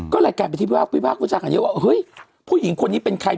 ก็รายการไปที่ภิพาควิจารณ์ก็จะหาเยอะว่าเฮ้ยผู้หญิงคนนี้เป็นใคร